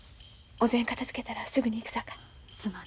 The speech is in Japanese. お膳片づけたらすぐに行くさかい。